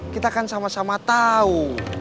kita kan sama sama tahu